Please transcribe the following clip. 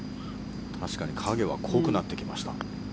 確かに影は濃くなってきました。